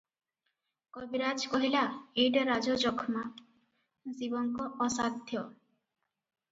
କବିରାଜ କହିଲା, ଏଇଟା ରାଜଯକ୍ଷ୍ମା - ଶିବଙ୍କ ଅସାଧ୍ୟ ।